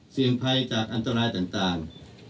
เสี่ยงภัยจากอันตรายต่าง